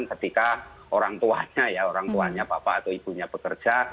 ketika orang tuanya ya orang tuanya bapak atau ibunya bekerja